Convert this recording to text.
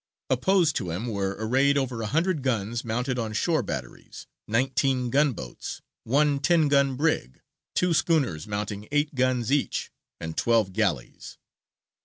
Opposed to him were arrayed over a hundred guns mounted on shore batteries, nineteen gun boats, one ten gun brig, two schooners mounting eight guns each, and twelve galleys.